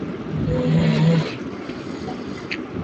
La historia ha sido criticada por su racismo y discriminación.